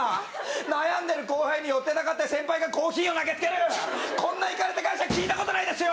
悩んでる後輩によってたかって先輩がコーヒーを投げつけるこんないかれた会社聞いたことないですよ。